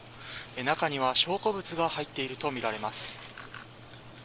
中には証拠物が入っているとみられます。